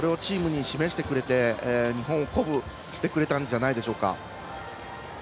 それをチームに示してくれて日本を鼓舞してくれたんじゃないでしょうか。